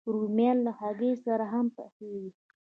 رومیان له هګۍ سره هم پخېږي